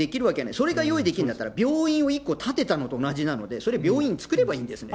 それが用意できるんだったら病院を１個建てたのと同じなので、それは病院作ればいいんですね。